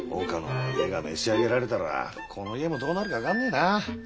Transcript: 岡野の家が召し上げられたらこの家もどうなるか分かんねえな。